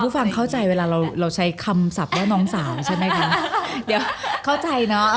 ถูกฟังเข้าใจเวลาเราใช้คำศพว่าน้องสาวใช่ไหมคะ